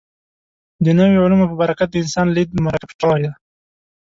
د نویو علومو په برکت د انسان لید مرکب شوی دی.